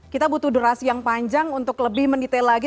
kita butuh durasi yang panjang untuk lebih mendetail lagi